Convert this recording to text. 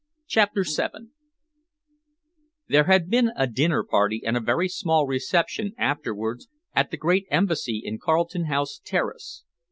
CHAPTER VII There had been a dinner party and a very small reception afterwards at the great Embassy in Carlton House Terrace.